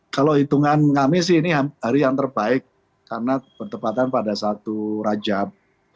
kalau hitungan kami sih ini hari yang terbaik karena bertepatan pada satu rajab